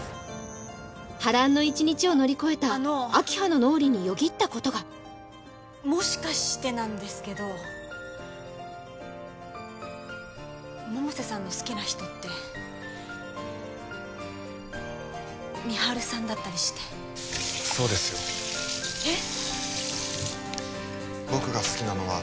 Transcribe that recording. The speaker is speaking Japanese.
波乱の一日を乗り越えた明葉の脳裏によぎったことがもしかしてなんですけど百瀬さんの好きな人って美晴さんだったりしてそうですよえっ？